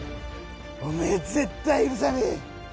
おめえ絶対許さねえ！